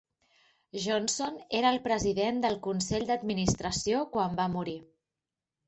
Johnson era el president del consell d'administració quan va morir.